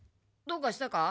どうかしたか？